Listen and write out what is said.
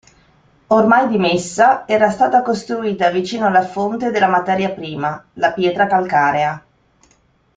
Ormai dimessa era stata costruita vicino alla fonte della materia prima, la pietra calcarea.